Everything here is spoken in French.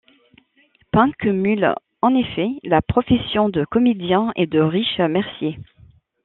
Pin cumule en effet la profession de comédien et de riche mercier.